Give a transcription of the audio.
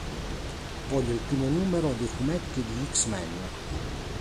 Voglio il primo numero dei fumetti di X-Men.